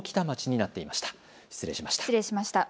失礼しました。